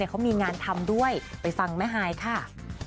เขามีงานทำด้วยไปฟังแม่ฮายค่ะ